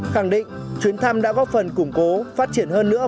khẳng định chuyến thăm đã góp phần củng cố phát triển hơn nữa